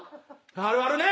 あるあるね！